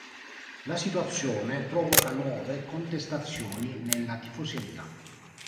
La situazione provoca nuove contestazioni nella tifoseria.